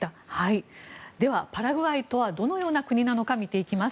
では、パラグアイとはどのような国なのか見ていきます。